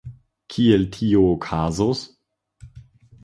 Kiel tio okazos?